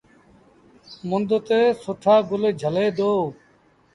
مند تي سُٺآ گل جھلي دو۔